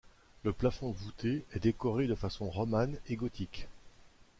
Le plafond voûté est décoré de façon romane et gothique.